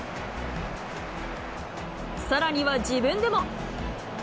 さらには自分でも。